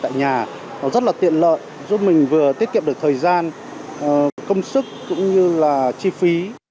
tại nhà nó rất là tiện lợi giúp mình vừa tiết kiệm được thời gian công sức cũng như là chi phí